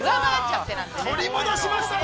◆取り戻しましたね。